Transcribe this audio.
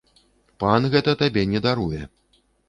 Пан гэта табе не даруе.